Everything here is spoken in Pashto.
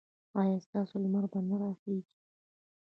ایا ستاسو لمر به را نه خېژي؟